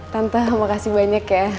tante makasih banyak ya